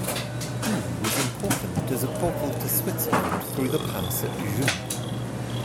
Doubs was important as a portal to Switzerland through the pass at Joux.